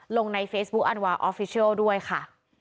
ลงในเฟซบุ๊คอันวาออฟฟิเชียลด้วยค่ะ